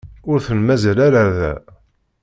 Ur ten-mazal ara da.